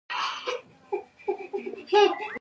ډیپلوماسي د نړیوال سیاست د پراخېدو مخکښ ځواک دی.